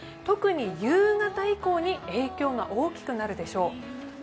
特に夕方以降に影響が大きくなるでしょう。